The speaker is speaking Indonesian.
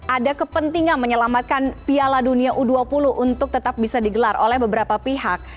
ada kepentingan menyelamatkan piala dunia u dua puluh untuk tetap bisa digelar oleh beberapa pihak